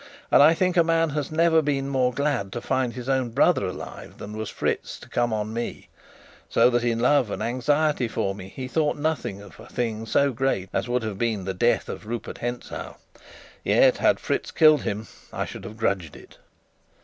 And I think a man has never been more glad to find his own brother alive than was Fritz to come on me; so that, in love and anxiety for me, he thought nothing of a thing so great as would have been the death of Rupert Hentzau. Yet, had Fritz killed him, I should have grudged it.